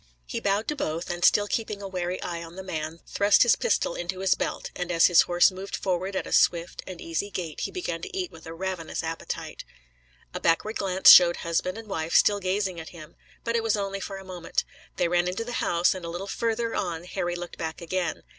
He bowed to both, and still keeping a wary eye on the man, thrust his pistol into his belt, and as his horse moved forward at a swift and easy gait he began to eat with a ravenous appetite. A backward glance showed husband and wife still gazing at him. But it was only for a moment. They ran into the house and a little further on Harry looked back again.